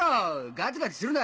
ガツガツするな。